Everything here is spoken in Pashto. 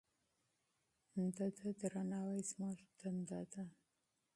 د ده درناوی زموږ دنده ده.